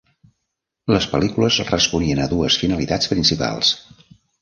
Les pel·lícules responien a dues finalitats principals.